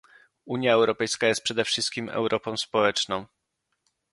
Unia Europejska jest przede wszystkim Europą społeczną